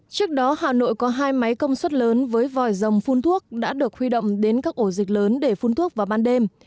trước đó hà nội có hai máy công suất lớn với vòi rồng phun thuốc đã được huy động đến các ổ dịch lớn để phun thuốc vào ban đêm